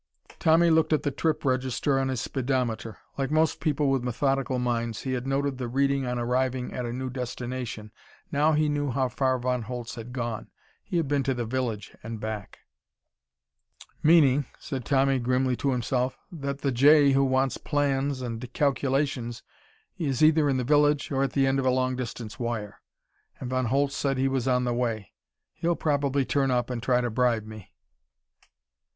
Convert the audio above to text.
Tommy looked at the trip register on his speedometer. Like most people with methodical minds, he had noted the reading on arriving at a new destination. Now he knew how far Von Holtz had gone. He had been to the village and back. "Meaning," said Tommy grimly to himself, "that the J who wants plans and calculations is either in the village or at the end of a long distance wire. And Von Holtz said he was on the way. He'll probably turn up and try to bribe me."